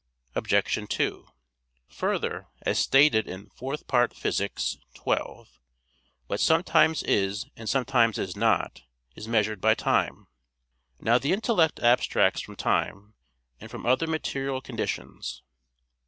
Obj. 2: Further, as stated in Phys. iv, 12, "what sometimes is and sometimes is not, is measured by time." Now the intellect abstracts from time, and from other material conditions.